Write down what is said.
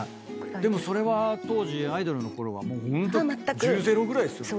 でもそれは当時アイドルのころはもうホント１０・０ぐらいですよね。